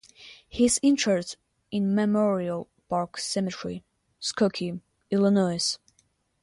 He is interred in Memorial Park Cemetery, Skokie, Illinois.